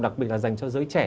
đặc biệt là dành cho giới trẻ